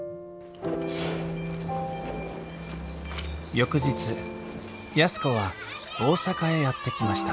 翌日安子は大阪へやって来ました